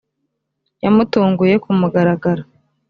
yamutunguye ku mugaragaro.